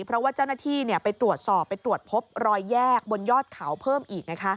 เพราะว่าเจ้าหน้าที่ไปตรวจสอบไปตรวจพบรอยแยกบนยอดเขาเพิ่มอีก